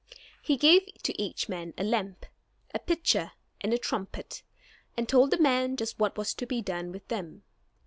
He gave to each man a lamp, a pitcher, and a trumpet, and told the men just what was to be done with them.